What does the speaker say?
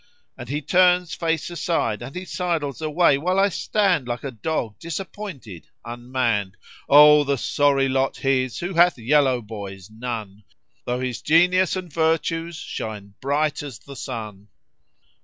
And he turns face aside and he sidles away, * While I stand like a dog disappointed, unmanned. Oh, the sorry lot his who hath yellow boys none, * Though his genius and virtues shine bright as the sun!